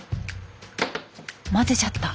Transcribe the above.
混ぜちゃった！